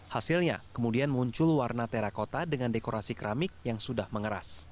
hasilnya kemudian muncul warna terakota dengan dekorasi keramik yang sudah mengeras